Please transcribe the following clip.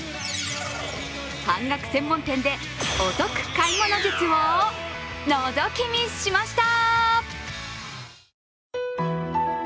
半額専門店でお得買い物術をのぞき見しました。